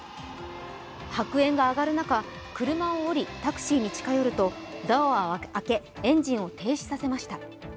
白煙が上がる中、車を降りタクシーに近寄るとドアを開けエンジンを停止させました。